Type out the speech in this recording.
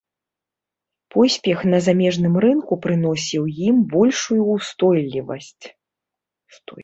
Поспех на замежным рынку прыносіў ім большую ўстойлівасць.